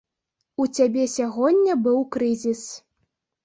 У цябе сягоння быў крызіс.